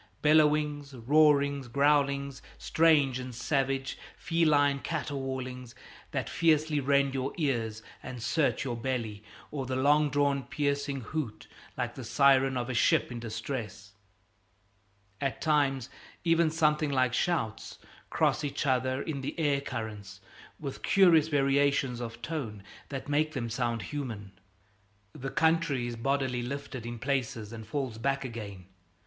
Bellowings, roarings, growlings, strange and savage; feline caterwaulings that fiercely rend your ears and search your belly, or the long drawn piercing hoot like the siren of a ship in distress. At times, even, something like shouts cross each other in the air currents, with curious variation of tone that make the sound human. The country is bodily lifted in places and falls back again.